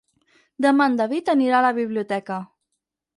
Demà en David anirà a la biblioteca.